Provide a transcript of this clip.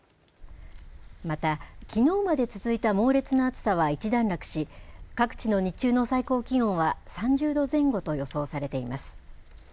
また、きのうまで続いた猛烈な暑さは一段落し各地の日中の最高気温は３０度前後と予想されています。